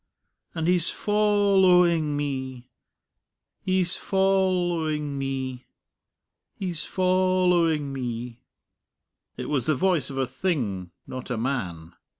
And he's foll owing me ... he's foll owing me ... he's foll owing me." It was the voice of a thing, not a man.